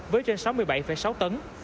với trên sáu mươi bảy sáu tấn